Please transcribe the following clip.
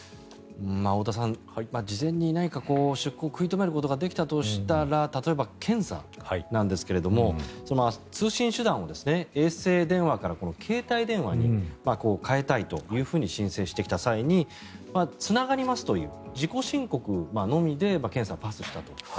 太田さん、事前に何かこう出航を食い止めることができたとしたら例えば検査なんですが通信手段を衛星電話から携帯電話に変えたいというふうに申請してきた際につながりますという自己申告のみで検査をパスしたと。